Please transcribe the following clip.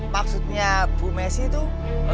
maksudnya bu messi tuh